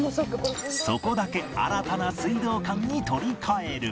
そこだけ新たな水道管に取り替える